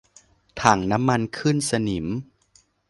ถังน้ำขึ้นสนิม